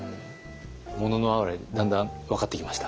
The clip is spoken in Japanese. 「もののあはれ」だんだん分かってきました？